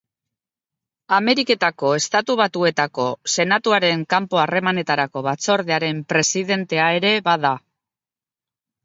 Ameriketako Estatu Batuetako Senatuaren Kanpo Harremanetarako Batzordearen presidentea ere bada.